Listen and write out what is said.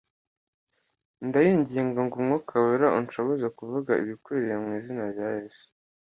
ndayinginga ngo umwuka wera anshoboze kuvuga ibikwiriye mu izina rya Yesu